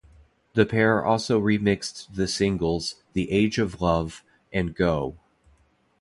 The pair also remixed the singles "The Age of Love" and "Go".